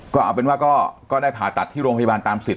ก็เอาเป็นว่าก็ได้ผ่าตัดที่โรงพยาบาลตามสิท